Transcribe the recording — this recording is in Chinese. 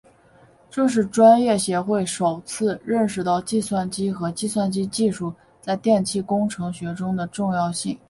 这是专业协会首次认识到计算机和计算机技术在电气工程学中的重要性。